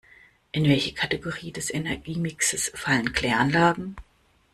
In welche Kategorie des Energiemixes fallen Kläranlagen?